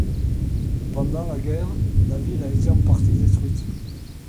Pendant la guerre, la ville a été en partie détruite.